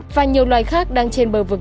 và nhiều loài khác đang trên bờ vực